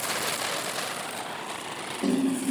د سمندر د څپو شور نهاوري